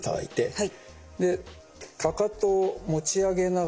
はい。